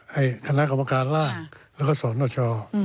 ให้คณะกรรมการล่างแล้วก็สอนหน้าชอ